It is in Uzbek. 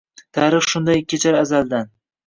Tarix shunday kechar azaldan.